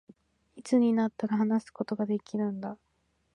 いつになったら、話すことができるんだ